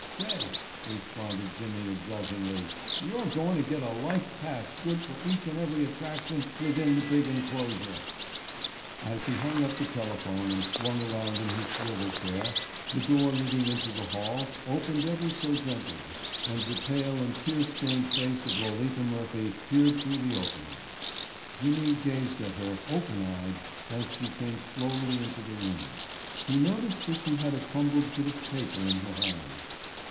"Say," responded Jimmy exultingly, "you're goin' to get a life pass good for each and every attraction within the big enclosure." As he hung up the telephone and swung around in his swivel chair the door leading into the hall opened ever so gently and the pale and tear stained face of Lolita Murphy peered through the opening. Jimmy gazed at her, open eyed, as she came slowly into the room. He noticed that she had a crumpled bit of paper in her hand.